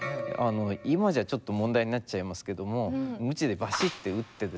今じゃちょっと問題になっちゃいますけども鞭でバシッて打ってですね